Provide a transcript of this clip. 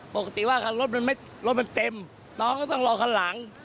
ปกติว่ารถมันเต็มน้องก็ต้องรอคันหลัง